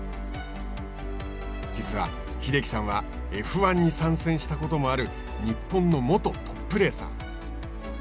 実は英樹さんはＦ１に参戦したこともある日本の元トップレーサー。